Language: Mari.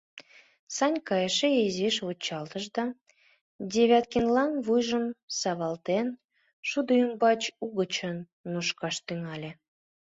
Санька эше изиш вучалтыш да, Девяткинлан вуйжым савалтен, шудо ӱмбач угычын нушкаш тӱҥале.